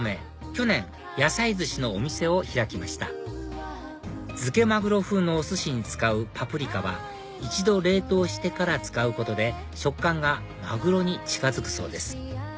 去年野菜寿司のお店を開きました漬けマグロ風のお寿司に使うパプリカは一度冷凍してから使うことで食感がマグロに近づくそうです